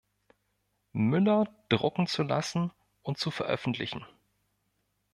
Müller drucken zu lassen und zu veröffentlichen.